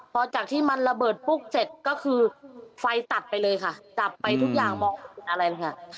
พอจากที่มันระเบิดปุ๊บเสร็จก็คือไฟตัดไปเลยค่ะจับไปทุกอย่างมองเห็นอะไรเลยค่ะ